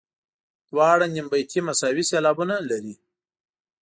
دواړه نیم بیتي مساوي سېلابونه لري.